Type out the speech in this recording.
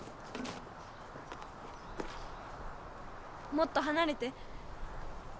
もっとはなれて。